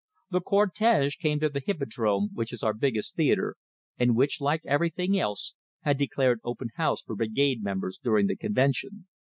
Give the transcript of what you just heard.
The cortege came to the "Hippodrome," which is our biggest theatre, and which, like everything else, had declared open house for Brigade members during the convention.